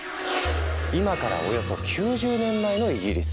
今からおよそ９０年前のイギリス。